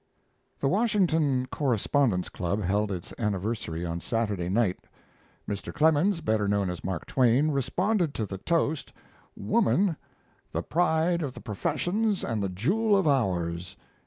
The Washington Correspondents Club held its anniversary on Saturday night. Mr. Clemens, better known as Mark Twain, responded to the toast, "Woman, the pride of the professions and the jewel of ours."